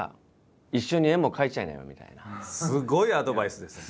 すごいアドバイスですね。